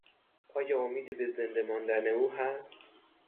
آیا امیدی به زنده ماندن او هست؟